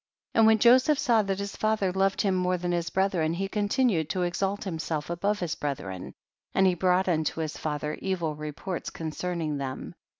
And when Joseph saw that his father loved him more than his breth ren, he continued to exalt himself above his brethren, and he brought unto his father evil reports concern ing them.